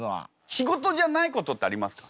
仕事じゃないことってありますか？